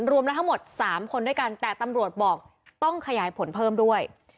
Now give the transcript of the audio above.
รวมแล้วทั้งหมด๓คนด้วยกันแต่ตำรวจบอกต้องขยายผลเพิ่มด้วย